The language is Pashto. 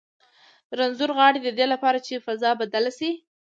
رنځور غاړي د دې لپاره چې فضا بدله شي.